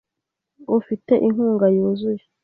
Ufite inkunga yuzuye .